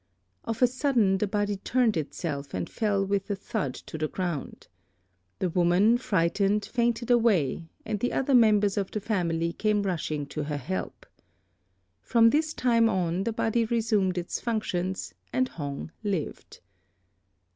Of a sudden the body turned itself and fell with a thud to the ground. The woman, frightened, fainted away, and the other members of the family came rushing to her help. From this time on the body resumed its functions, and Hong lived.